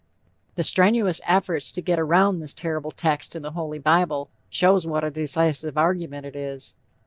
The strenuous efforts to get around this terrible text in the "Holy Bible," show what a decisive argument it is.